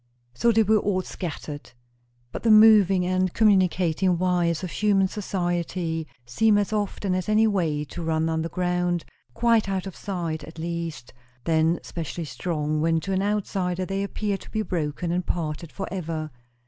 So they were all scattered. But the moving and communicating wires of human society seem as often as any way to run underground; quite out of sight, at least; then specially strong, when to an outsider they appear to be broken and parted for ever.